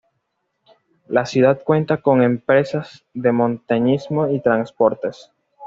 La ciudad cuenta con empresas de montañismo y transportes.